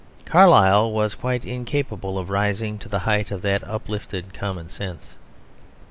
Carlyle was quite incapable of rising to the height of that uplifted common sense.